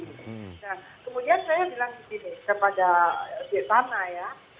nah kemudian saya bilang begini kepada birtana ya